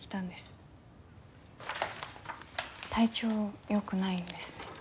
体調よくないんですね。